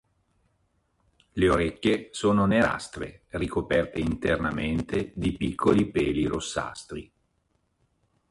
Le orecchie sono nerastre, ricoperte internamente di piccoli peli rossastri.